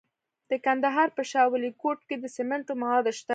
د کندهار په شاه ولیکوټ کې د سمنټو مواد شته.